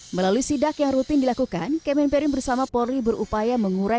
melalui sidak yang rutin dilakukan kemen perin bersama polri berupaya mengurai